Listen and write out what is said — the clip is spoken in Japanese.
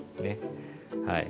はい。